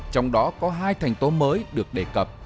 trong đó có hai thành tố mới được đề cập